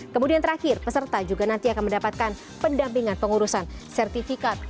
kemudian terakhir peserta juga nanti akan mendapatkan pendampingan pengurusan sertifikat